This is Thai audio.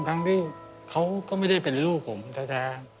ทั้งที่เขาก็ไม่ได้เป็นลูกผมแท้